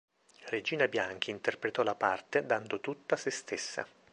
Regina Bianchi interpretò la parte dando tutta sé stessa.